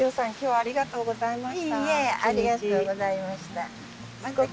ありがとうございます。